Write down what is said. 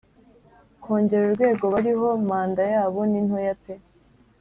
Kongera urwego bariho Manda yabo ni ntoya pe